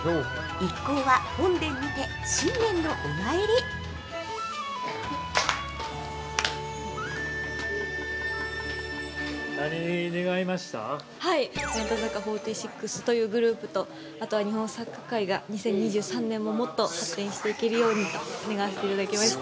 ◆日向坂４６というグループとあとは日本サッカー界が２０２３年ももっと発展していけるようにと願わせていただきました。